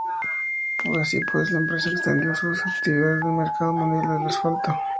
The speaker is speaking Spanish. Así pues, la empresa extendió sus actividades al mercado mundial del asfalto.